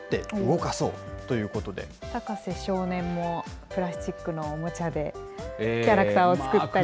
高瀬少年もプラスチックのおもちゃで、キャラクターを作ったり。